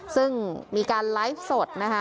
ซึ่งมีการไลฟ์สดนะคะ